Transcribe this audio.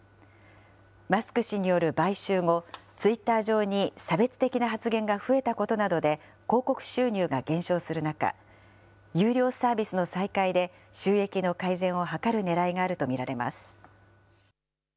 マスク氏による買収後、ツイッター上に差別的な発言が増えたことなどで、広告収入が減少する中、有料サービスの再開で収益の改善を図るねらいがあると見られます。